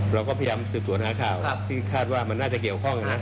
เราก็พยายามสืบสวนหาข่าวที่คาดว่ามันน่าจะเกี่ยวข้องนะครับ